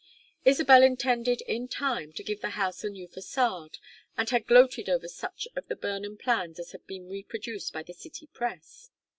Isabel intended in time to give the house a new façade, and had gloated over such of the Burnham plans as had been reproduced by the city press.